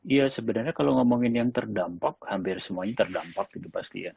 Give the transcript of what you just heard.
ya sebenarnya kalau ngomongin yang terdampak hampir semuanya terdampak gitu pasti ya